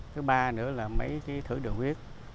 thứ ba nữa là mấy thử đường huyết